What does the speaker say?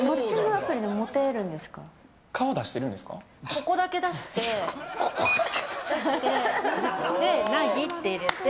ここだけ出してｎａｇｉって入れて。